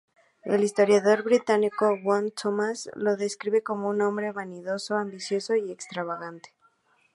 El historiador británico Hugh Thomas lo describe como un ""hombre vanidoso, ambicioso y extravagante"".